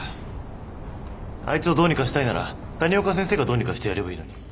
あいつをどうにかしたいなら谷岡先生がどうにかしてやればいいのに。